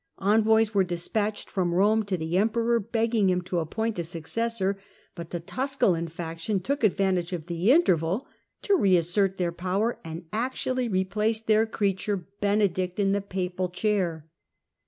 Envoys were despatched from Death of Romo to the emperor, begging him to ap mSint point a successor; but the Tusculan faction 1047 * took advantage of the interval to reassert their power, and actually replaced their creature, Bene dict, in the papal chair.